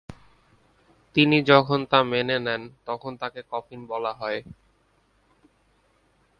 তিনি যখন তা মেনে নেন, তখন তাকে কফিন বলা হয়।